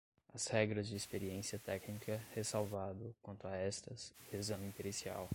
as regras de experiência técnica, ressalvado, quanto a estas, o exame pericial